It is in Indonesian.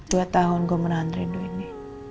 dua tahun gue menahan rindu ini